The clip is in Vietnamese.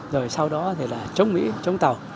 rồi sau đó thì là chống mỹ chống tàu